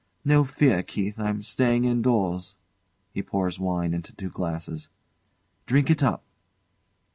No fear, Keith! I'm staying indoors. [He pours wine into two glasses] Drink it up!